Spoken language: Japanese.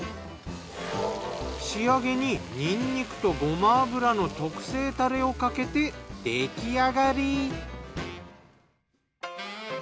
仕上げににんにくとごま油の特製たれをかけて出来上がり。